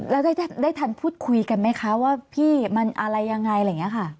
แล้วได้ทันพูดคุยกันไหมคะว่าพี่มันอะไรยังไงอะไรอย่างนี้ค่ะ